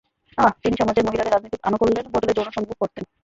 তিনি সমাজের মহিলাদের রাজনৈতিক আনুকূল্যের বদলে যৌন সম্ভোগ করতেন।